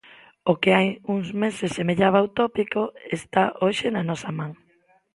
O que hai uns meses semellaba utópico está hoxe na nosa man.